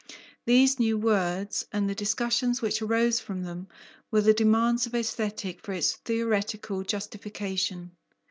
These new words, and the discussions which arose from them, were the demands of Aesthetic for its theoretical justification.